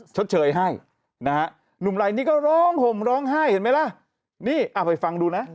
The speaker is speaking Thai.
ชดเชยให้นะฮะหนุ่มลายนี้ก็ร้องห่มร้องไห้เห็นไหมล่ะนี่เอาไปฟังดูนะ